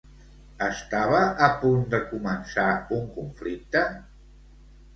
Estava a punt de començar un conflicte?